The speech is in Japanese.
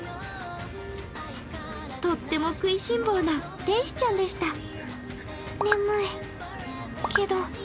とっても食いしん坊な天使ちゃんでした。